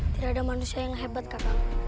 tidak ada manusia yang hebat kata